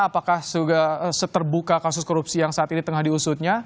apakah sudah seterbuka kasus korupsi yang saat ini tengah diusutnya